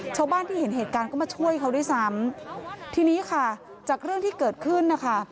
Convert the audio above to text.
ชาวบ้านที่เห็นเหตุการณ์ก็มาช่วยเขาด้วยซ้ำทีนี้ค่ะจากเรื่องที่เกิดขึ้นนะคะ